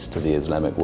untuk dunia islam